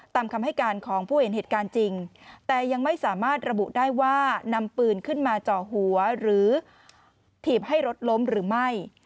คำให้การของผู้เห็นเหตุการณ์จริงแต่ยังไม่สามารถระบุได้ว่านำปืนขึ้นมาเจาะหัวหรือถีบให้รถล้มหรือไม่